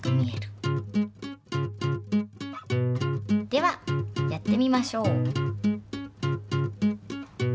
ではやってみましょう。